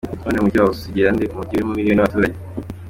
None uyu mujyi wawusigira nde, umujyi urimo miliyoni y’abaturage ?”.